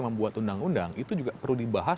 membuat undang undang itu juga perlu dibahas